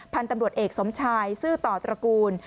พันธุ์ตำรวจเอกสมชายซื่อต่อตระกูล